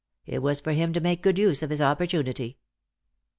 It was for him to make good use of his opportunity.